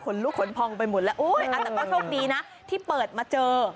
ขนลุกขนพองไปหมดแล้วอุ๊ยอันนั้นก็โชคดีนะที่เปิดมาเจอ